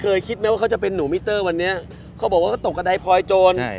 เมื่อกลับมามาชั่งผู้เลยอยู่อีก๑๓นะคุณแมศรี